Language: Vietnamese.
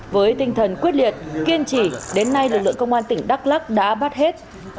với tinh thần quyết liệt kiên trì đến nay lực lượng công an tỉnh đắk lắc đã bắt hết